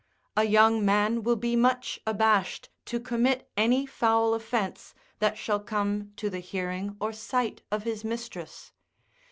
A young man will be much abashed to commit any foul offence that shall come to the hearing or sight of his mistress.